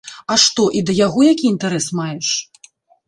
А што, і да яго які інтарэс маеш?